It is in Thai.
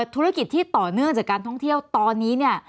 ธุรกิจที่ต่อเนื่องจากการท่องเที่ยวตอนนี้เนี่ย